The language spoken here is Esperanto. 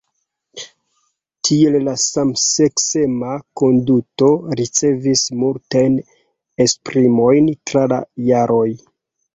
Tiel la samseksema konduto ricevis multajn esprimojn tra la jaroj.